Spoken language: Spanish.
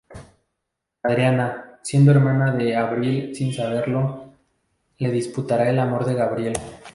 Adriana, siendo hermana de Avril sin saberlo, le disputará el amor de Gabriel.